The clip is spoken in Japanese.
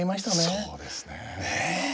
そうなんですね。